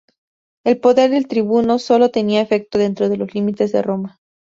El poder del tribuno sólo tenía efecto dentro de los límites de Roma.